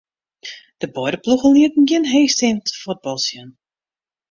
De beide ploegen lieten gjin heechsteand fuotbal sjen.